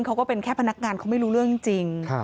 เขาก็เป็นแค่พนักงานเขาไม่รู้เรื่องจริง